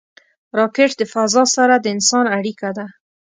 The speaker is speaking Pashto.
راکټ د فضا سره د انسان اړیکه ده